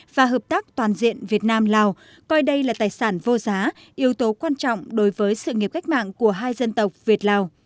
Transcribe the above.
và hợp tác toàn diện việt nam lào coi đây là tài sản vô giá yếu tố quan trọng đối với sự nghiệp cách mạng của hai dân tộc việt lào